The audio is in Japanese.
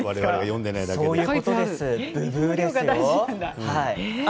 ブブーですよ。